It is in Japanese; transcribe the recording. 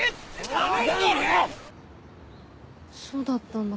そうだったんだ。